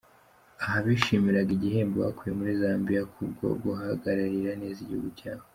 Aha bishimiraga igihembo bakuye muri Zambia ku bwo guhagararira neza igihugu cyabo.